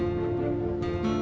aduh ya pak